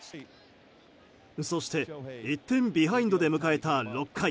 そして１点ビハインドで迎えた６回。